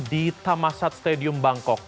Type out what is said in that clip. di tamasat stadium bangkok